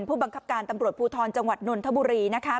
ผู้บังคับการตำรวจภูทรจังหวัดนนทบุรีนะคะ